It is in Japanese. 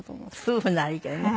夫婦ならいいけどね。